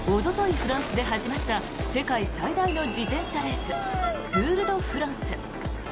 フランスで始まった世界最大の自転車レースツール・ド・フランス。